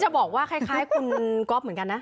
บอกว่าคล้ายคุณก๊อฟเหมือนกันนะ